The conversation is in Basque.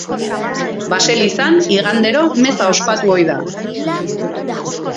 Baselizan igandero meza ospatu ohi da.